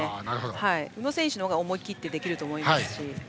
宇野選手の方が思い切ってできると思いますし。